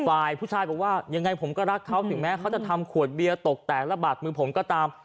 ฝ่ายผู้ชายบอกว่ายังไงผมก็รักเขาถึงแม้เขาจะทำขวดเบียร์ตกแตกระบาดมือผมก็ตาม